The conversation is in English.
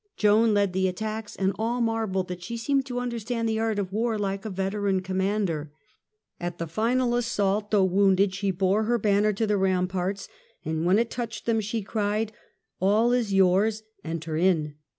Joan led the attacks and all marvelled that she seemed to understand the art of war like a veteran commander. At the final assault, though wounded, she bore her banner to the ramparts, and when it touched them she cried :" All is yours, enter in